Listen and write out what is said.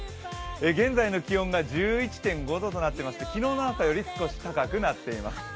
現在の気温が１１．５度となってまして昨日の朝より少し高くなっています。